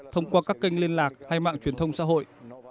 thông qua các kênh liên lạc hay mạng truyền thông xã hội